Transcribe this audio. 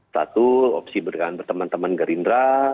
satu opsi berkaitan berteman teman geyer indra